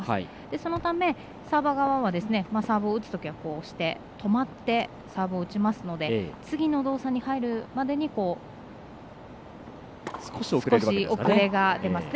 そのため、サーバー側はサーブを打つときは止まってサーブを打ちますので次の動作に入るまでに少し遅れが出ますね。